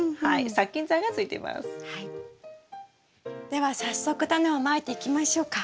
では早速タネをまいていきましょうか。